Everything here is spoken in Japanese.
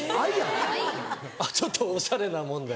ちょっとおしゃれなもんで。